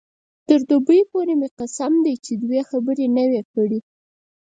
تر دوبۍ پورې مې قسم دی چې دوې خبرې نه وې کړې.